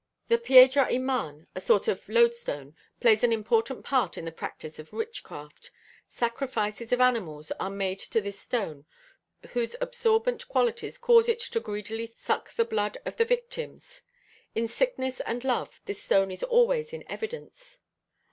The Piedra Imán, a sort of lodestone, plays an important part in the practice of witchcraft; sacrifices of animals are made to this stone whose absorbent qualities cause it to greedily suck the blood of the victims. In sickness and love this stone is always in evidence.